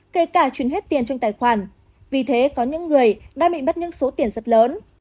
kể cả chuyển hết tiền trong tài khoản vì thế có những người đang bị bắt những số tiền rất lớn